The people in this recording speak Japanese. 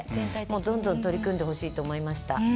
どんどん取り組んでほしいと思いました。